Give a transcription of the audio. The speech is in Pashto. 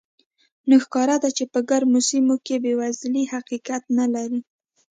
نو ښکاره ده چې په ګرمو سیمو کې بېوزلي حقیقت نه لري.